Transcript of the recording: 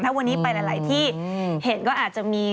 วันนี้ไปหลายที่เห็นก็อาจจะมี